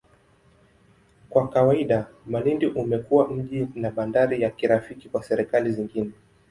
Kwa kawaida, Malindi umekuwa mji na bandari ya kirafiki kwa serikali zingine.